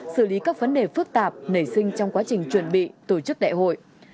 xử lý các vấn đề phức tạp nảy sinh trong quá trình chuẩn bị tổ chức đại hội